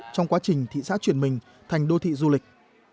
trong quá trình thị xã chuyển mình thành đô thị du lịch